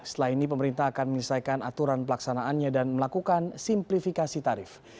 setelah ini pemerintah akan menyelesaikan aturan pelaksanaannya dan melakukan simplifikasi tarif